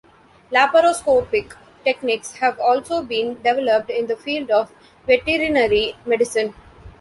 Laparoscopic techniques have also been developed in the field of veterinary medicine.